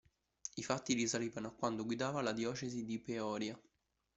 I fatti risalivano a quando guidava la diocesi di Peoria.